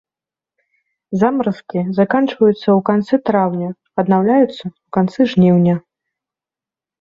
Замаразкі заканчваюцца ў канцы траўня, аднаўляюцца ў канцы жніўня.